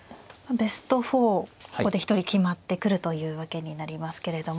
ベスト４ここで一人決まってくるというわけになりますけれども。